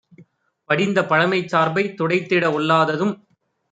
படிந்தபழமைச் சார்பைத் துடைத்திட ஒல்லாததும்